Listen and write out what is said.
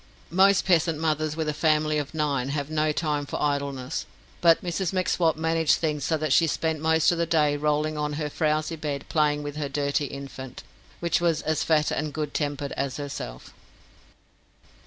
Most peasant mothers with a family of nine have no time for idleness, but Mrs M'Swat managed things so that she spent most of the day rolling on her frowsy bed playing with her dirty infant, which was as fat and good tempered as herself.